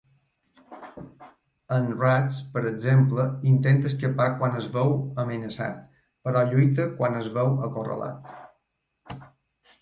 En Rats, per exemple, intenta escapar quan es veu amenaçat però lluita quan es veu acorralat.